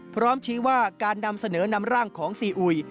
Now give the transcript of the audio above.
พร้อมชี้ว่าการนำเสนอนำร่างของซีอุย